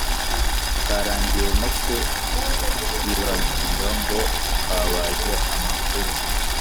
Karagiye no ku ibagiro ngo kabaze amakuru